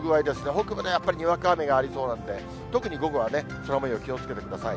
北部ではやっぱりにわか雨がありそうなんで、特に午後は空もよう、気をつけてください。